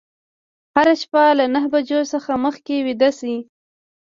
هره شپه له نهه بجو څخه مخکې ویده شئ.